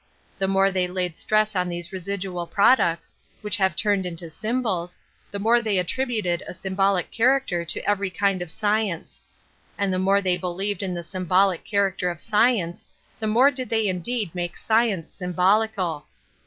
The more they laid stress on these residual I products, which have turned into symbols, * the more they attributed a symbolic char acter to every kind of science. And the more they believed in the symbolic char acter of science, the more did they indeed [•make science symbolical.